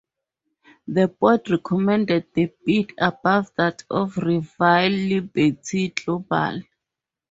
The board recommended the bid above that of rival Liberty Global.